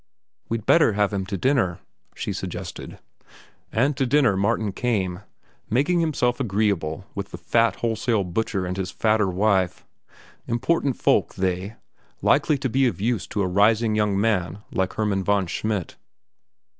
"We'd better have him to dinner," she suggested. And to dinner Martin came, making himself agreeable with the fat wholesale butcher and his fatter wife—important folk, they, likely to be of use to a rising young man like Hermann von Schmidt.